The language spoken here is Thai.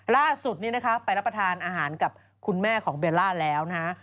ล่าสุดนี้นะคะไปรับประทานอาหารกับคุณแม่ของเบลล่าแล้วนะฮะ